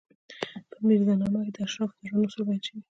په میرزا نامه کې د اشرافو د ژوند اصول بیان شوي.